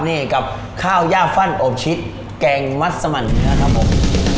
นี่กับข้าวย่าฟั่นอบชิดแกงมัสสมันเนื้อครับผม